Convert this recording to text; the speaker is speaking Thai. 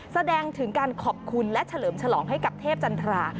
แสดงถึงการขอบคุณและเฉลิมฉลองให้กับเทพจันทรา